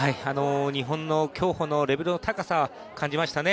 日本の競歩のレベルの高さ感じましたね。